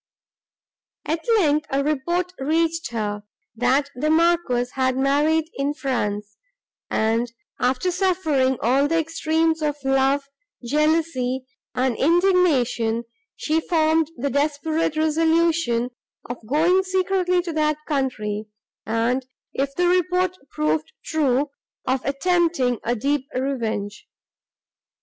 At length, a report reached her, that the Marquis had married in France, and, after suffering all the extremes of love, jealousy and indignation, she formed the desperate resolution of going secretly to that country, and, if the report proved true, of attempting a deep revenge.